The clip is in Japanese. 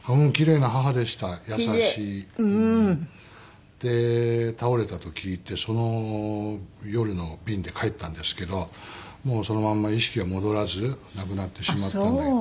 奇麗な母でした優しい。で倒れたと聞いてその夜の便で帰ったんですけどもうそのまま意識が戻らず亡くなってしまったので。